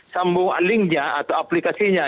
sambungan linknya atau aplikasinya